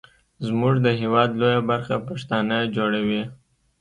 زمونږ د هیواد لویه برخه پښتانه جوړوي.